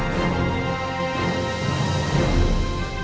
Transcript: ตอนต่อไป